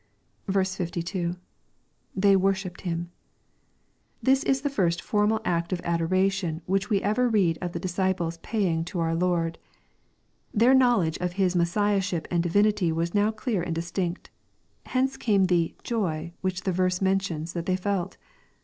52. — [They worshipped Him,] This is the first formal act of adora tion which we ever read of the disciples paying to our Lord* Their knowledge of His Messiahship and divinity was now clear and distinct Hence came the "joy" which the verse mentions that they felt.